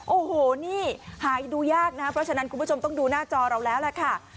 โอ้โหนี่หายดูยากนะครับเพราะฉะนั้นคุณผู้ชมต้องดูหน้าจอเราแล้วล่ะค่ะ